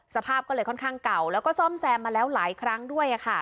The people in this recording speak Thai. สภาพก็เลยค่อนข้างเก่าแล้วก็ซ่อมแซมมาแล้วหลายครั้งด้วย